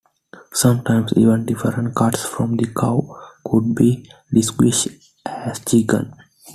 Sometimes even different cuts from the cow could be disguised as chicken.